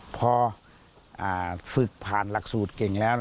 พอฝึกผ่านหลักสูตรเก่งแล้ว